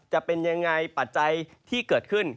จะเป็นยังไงปัจจัยที่เกิดขึ้น